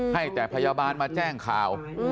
ให้แต่พยาบาลมาแจ้งข่าว